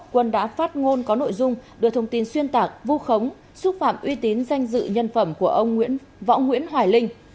quân đã phát ngôn có nội dung đưa thông tin xuyên tạc vu khống xúc phạm uy tín danh dự nhân phẩm của ông võ nguyễn hoài linh